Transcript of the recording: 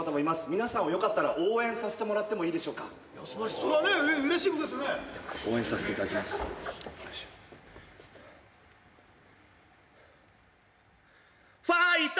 皆さんをよかったら応援させてもらってもいいでしょうかそれはね嬉しいことですよね応援させていただきますファイト！